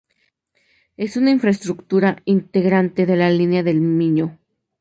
Es una infraestructura integrante de la Línea del Miño.